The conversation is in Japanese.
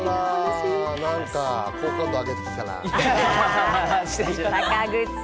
好感度、上げてきたな。